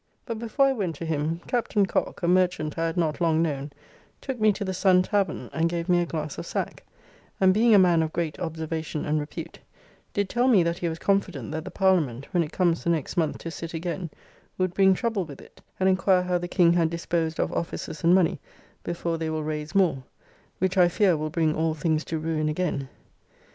But before I went to him Captain. Cock, a merchant I had not long known, took me to the Sun tavern and gave me a glass of sack, and being a man of great observation and repute, did tell me that he was confident that the Parliament, when it comes the next month to sit again, would bring trouble with it, and enquire how the King had disposed of offices and money, before they will raise more; which, I fear, will bring all things to ruin again.